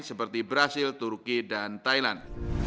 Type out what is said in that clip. seperti brazil turki dan thailand